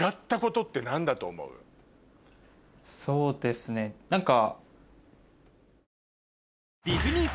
そうですね何か。